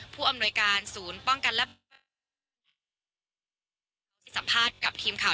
ผู้อำนวยการศูนย์ป้องกันและปฏิบัติการ